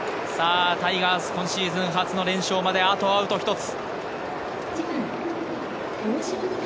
タイガース、今シーズン初の連勝まであとアウト１つ。